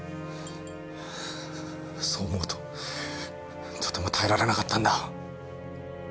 そう思うととても耐えられなかったんだ。